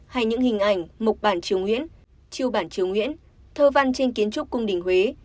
hay những hình ảnh mục bản triều nguyễn triều bản triều nguyễn thơ văn trên kiến trúc cung đình huế